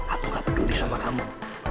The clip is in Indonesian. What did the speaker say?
aku gak peduli sama kamu